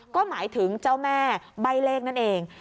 ก็หมายถึงเจ้าแม่ใบ้เลขนั่นเอง